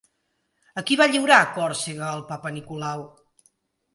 A qui va lliurar Còrsega el Papa Nicolau?